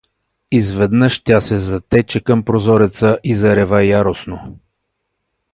Изведнъж тя се затече към прозореца и зарева яростно.